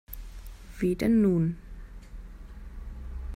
Wie denn nun?